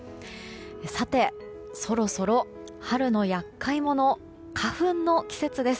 さて、そろそろ春の厄介者、花粉の季節です。